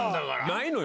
ないのよ。